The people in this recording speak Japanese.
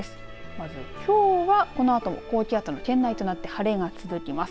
まず、きょうはこのあとも高気圧の圏内となって晴れが続きます。